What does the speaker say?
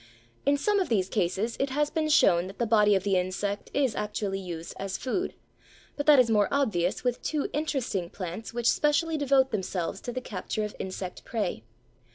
In some of these cases it has been shown that the body of the insect is actually used as food, but that is more obvious with two interesting plants which specially devote themselves to the capture of insect prey.